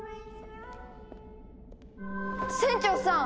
船長さん！